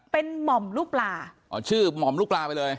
เป็นหม่อมลูกปลาอ๋อชื่อหม่อมลูกปลาไปเลย